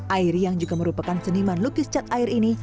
airi yang juga merupakan seniman lukis cat air ini